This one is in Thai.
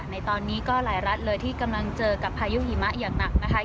ในตอนนี้ก็หลายรัฐเลยที่กำลังเจอกับพายุหิมะอย่างหนักนะคะ